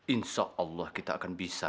insya allah kita akan bisa